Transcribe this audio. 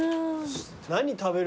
何食べる？